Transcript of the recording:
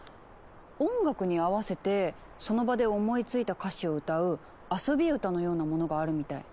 音楽に合わせてその場で思いついた歌詞を歌う遊び歌のようなものがあるみたい。